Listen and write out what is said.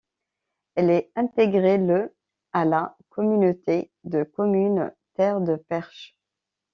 Elle est intégrée le à la communauté de communes Terres de Perche.